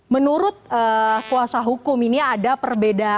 menurut kuasa hukum ini ada perbedaan